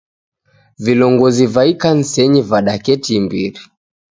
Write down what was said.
Vilongozi va ikanisenyi vadaketi imbiri